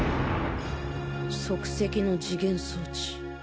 即席の時限装置。